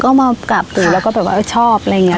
ก็มากราบปู่แล้วก็แบบว่าชอบอะไรอย่างนี้